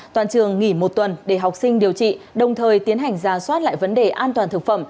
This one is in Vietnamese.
toàn trường nghỉ một tuần để học sinh điều trị đồng thời tiến hành ra soát lại vấn đề an toàn thực phẩm